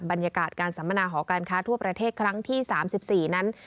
บรรยากาศการสัมมนาหอการค้าทั่วประเทศครั้งที่๓๔นั้น